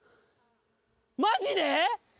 マジで？